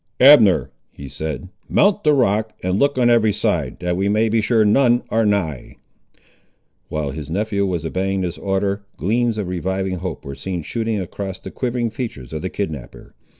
"Abner," he said, "mount the rock, and look on every side, that we may be sure none are nigh." While his nephew was obeying this order, gleams of reviving hope were seen shooting across the quivering features of the kidnapper.